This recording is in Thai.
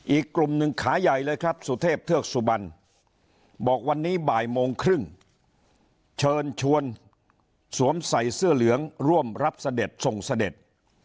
อีกกลุ่มหนึ่งขาใหญ่เลยครับสุเทพเทือกสุบันบอกวันนี้บ่ายโมงครึ่งเชิญชวนสวมใส่เสื้อเหลืองร่วมรับเสด็จส่งเสด็จ